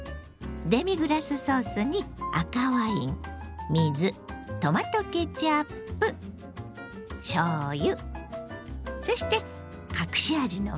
デミグラスソースに赤ワイン水トマトケチャップしょうゆそして隠し味のみそ。